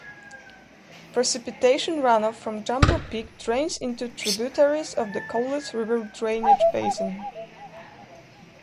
Precipitation runoff from Jumbo Peak drains into tributaries of the Cowlitz River drainage basin.